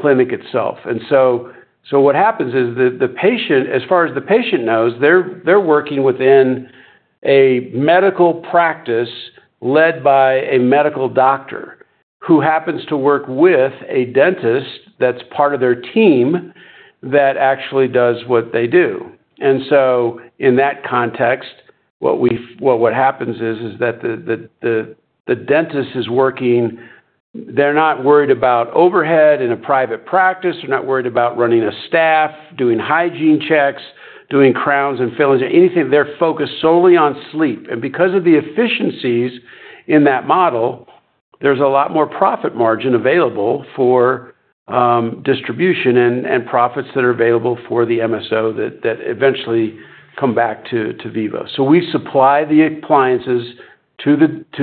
clinic itself. And so what happens is that as far as the patient knows, they're working within a medical practice led by a medical doctor who happens to work with a dentist that's part of their team that actually does what they do. And so in that context, what happens is that the dentist is working. They're not worried about overhead in a private practice. They're not worried about running a staff, doing hygiene checks, doing crowns and fillings, anything. They're focused solely on sleep. And because of the efficiencies in that model, there's a lot more profit margin available for distribution and profits that are available for the MSO that eventually come back to Vivos. So we supply the appliances to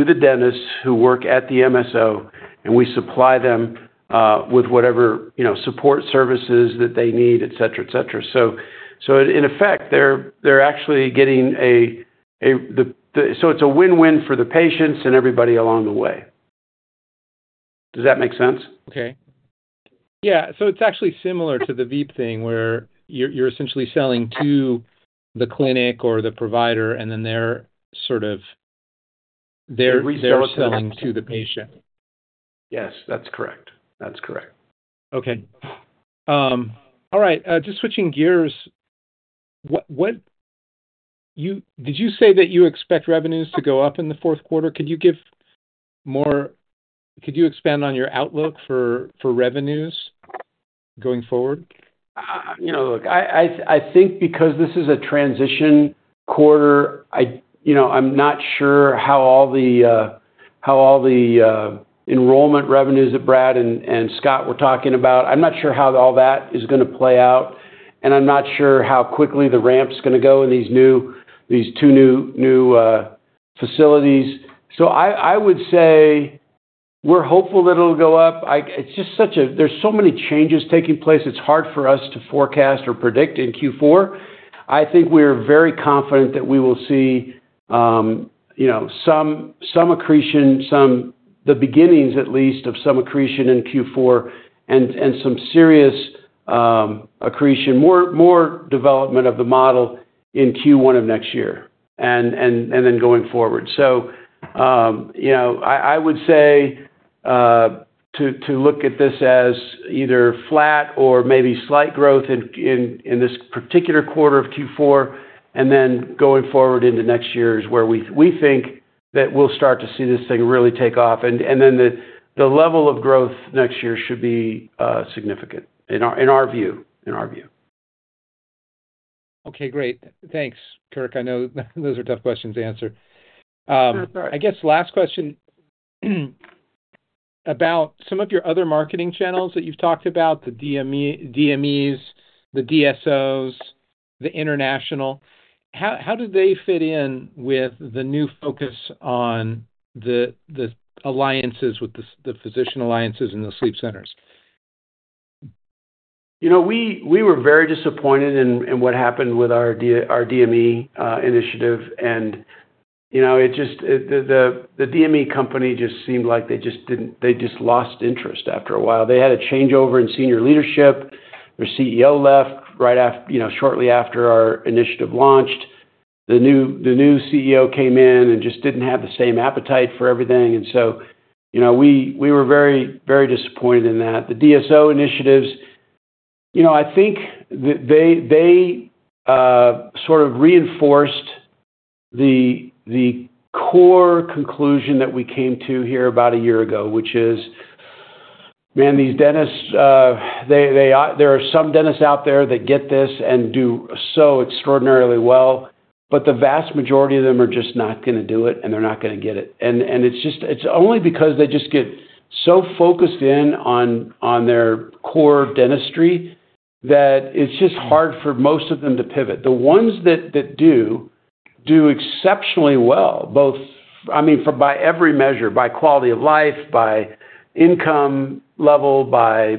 the dentists who work at the MSO, and we supply them with whatever support services that they need, etc., etc. So in effect, they're actually so it's a win-win for the patients and everybody along the way. Does that make sense? Okay. Yeah. So it's actually similar to the VIP thing where you're essentially selling to the clinic or the provider, and then they're sort of selling to the patient. Yes. That's correct. That's correct. Okay. All right. Just switching gears, did you say that you expect revenues to go up in the fourth quarter? Could you give more, could you expand on your outlook for revenues going forward? Look, I think because this is a transition quarter, I'm not sure how all the enrollment revenues that Brad and Scott were talking about. I'm not sure how all that is going to play out, and I'm not sure how quickly the ramp's going to go in these two new facilities. So I would say we're hopeful that it'll go up. It's just such a. There's so many changes taking place. It's hard for us to forecast or predict in Q4. I think we are very confident that we will see some accretion, some, the beginnings at least of some accretion in Q4, and some serious accretion, more development of the model in Q1 of next year and then going forward. So I would say to look at this as either flat or maybe slight growth in this particular quarter of Q4, and then going forward into next year is where we think that we'll start to see this thing really take off. And then the level of growth next year should be significant in our view, in our view. Okay. Great. Thanks, Kirk. I know those are tough questions to answer. I guess last question about some of your other marketing channels that you've talked about, the DMEs, the DSOs, the international. How do they fit in with the new focus on the alliances with the physician alliances and the sleep centers? We were very disappointed in what happened with our DME initiative, and the DME company just seemed like they just lost interest after a while. They had a changeover in senior leadership. Their CEO left shortly after our initiative launched. The new CEO came in and just didn't have the same appetite for everything, and so we were very, very disappointed in that. The DSO initiatives, I think they sort of reinforced the core conclusion that we came to here about a year ago, which is, "Man, these dentists, there are some dentists out there that get this and do so extraordinarily well, but the vast majority of them are just not going to do it, and they're not going to get it," and it's only because they just get so focused in on their core dentistry that it's just hard for most of them to pivot. The ones that do, do exceptionally well, both, I mean, by every measure, by quality of life, by income level, by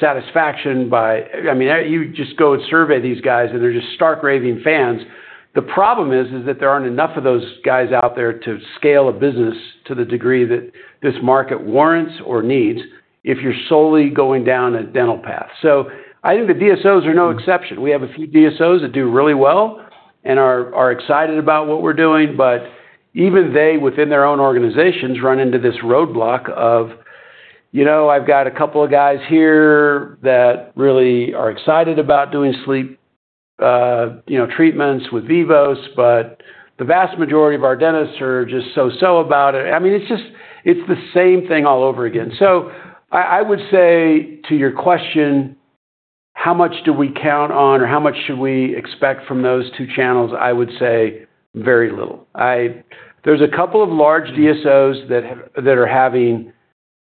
satisfaction, by, I mean, you just go and survey these guys, and they're just stark raving fans. The problem is that there aren't enough of those guys out there to scale a business to the degree that this market warrants or needs if you're solely going down a dental path. So I think the DSOs are no exception. We have a few DSOs that do really well and are excited about what we're doing, but even they, within their own organizations, run into this roadblock of, "I've got a couple of guys here that really are excited about doing sleep treatments with Vivos, but the vast majority of our dentists are just so-so about it." I mean, it's the same thing all over again. So I would say to your question, how much do we count on or how much should we expect from those two channels? I would say very little. There's a couple of large DSOs that are having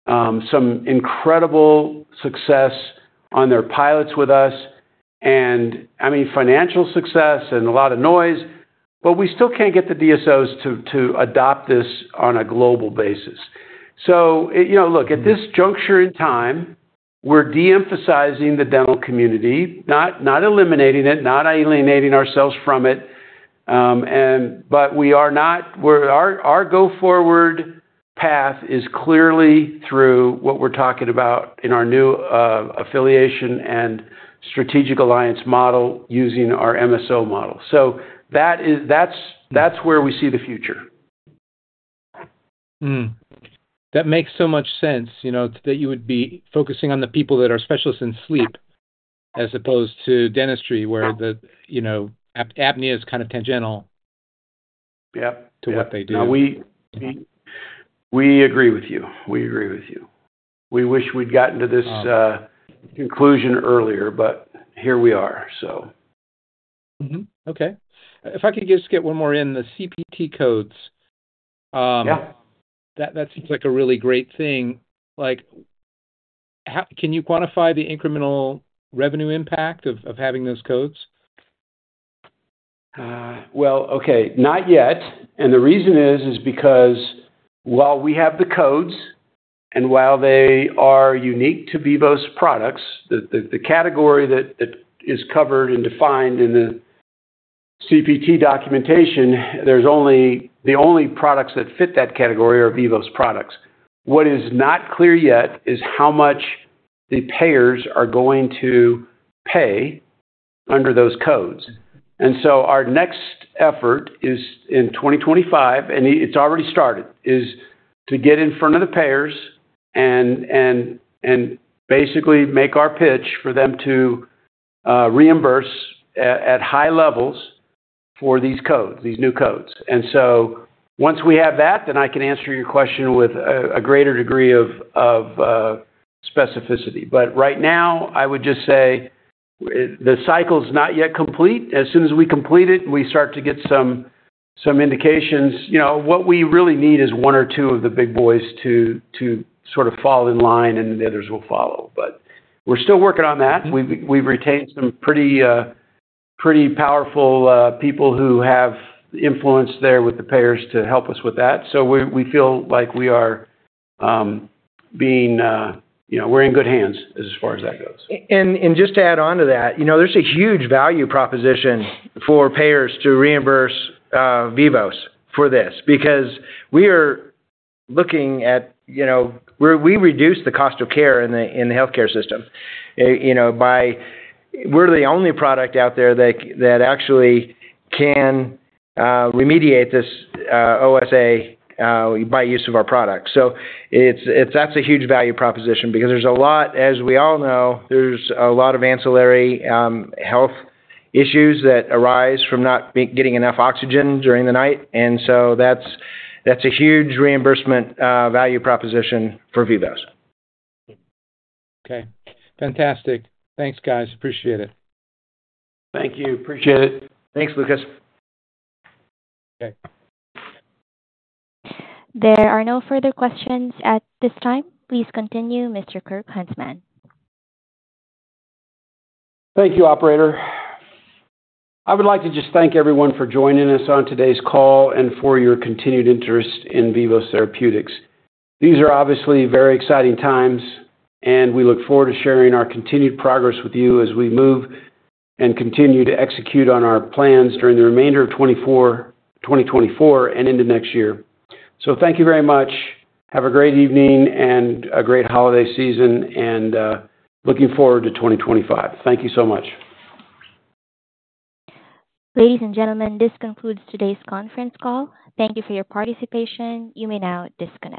some incredible success on their pilots with us, and I mean, financial success and a lot of noise, but we still can't get the DSOs to adopt this on a global basis. So look, at this juncture in time, we're de-emphasizing the dental community, not eliminating it, not alienating ourselves from it, but we are not. Our go-forward path is clearly through what we're talking about in our new affiliation and strategic alliance model using our MSO model. So that's where we see the future. That makes so much sense that you would be focusing on the people that are specialists in sleep as opposed to dentistry where apnea is kind of tangential to what they do. Yeah. We agree with you. We agree with you. We wish we'd gotten to this conclusion earlier, but here we are, so. Okay. If I could just get one more in, the CPT codes. That seems like a really great thing. Can you quantify the incremental revenue impact of having those codes? Okay. Not yet. The reason is because while we have the codes and while they are unique to Vivos products, the category that is covered and defined in the CPT documentation, the only products that fit that category are Vivos products. What is not clear yet is how much the payers are going to pay under those codes. Our next effort is in 2025, and it's already started, is to get in front of the payers and basically make our pitch for them to reimburse at high levels for these codes, these new codes. Once we have that, then I can answer your question with a greater degree of specificity. But right now, I would just say the cycle is not yet complete. As soon as we complete it, we start to get some indications. What we really need is one or two of the big boys to sort of fall in line, and the others will follow. But we're still working on that. We've retained some pretty powerful people who have influence there with the payers to help us with that. So we feel like we are being—we're in good hands as far as that goes. And just to add on to that, there's a huge value proposition for payers to reimburse Vivos for this because we are looking at - we reduce the cost of care in the healthcare system by - we're the only product out there that actually can remediate this OSA by use of our products. So that's a huge value proposition because there's a lot - as we all know, there's a lot of ancillary health issues that arise from not getting enough oxygen during the night. And so that's a huge reimbursement value proposition for Vivos. Okay. Fantastic. Thanks, guys. Appreciate it. Thank you. Appreciate it. Thanks, Lucas. There are no further questions at this time. Please continue, Mr. Kirk Huntsman. Thank you, Operator. I would like to just thank everyone for joining us on today's call and for your continued interest in Vivos Therapeutics. These are obviously very exciting times, and we look forward to sharing our continued progress with you as we move and continue to execute on our plans during the remainder of 2024 and into next year. So thank you very much. Have a great evening and a great holiday season, and looking forward to 2025. Thank you so much. Ladies and gentlemen, this concludes today's conference call. Thank you for your participation. You may now disconnect.